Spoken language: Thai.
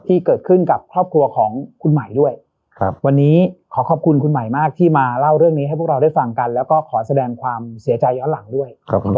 ที่เกิดขึ้นกับครอบครัวของคุณใหม่ด้วยวันนี้ขอขอบคุณคุณใหม่มากที่มาเล่าเรื่องนี้ให้พวกเราได้ฟังกันแล้วก็ขอแสดงความเสียใจย้อนหลังด้วย